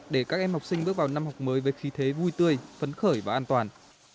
để các em học sinh bước vào năm học mới với khí thế vui tươi phấn khởi và an toàn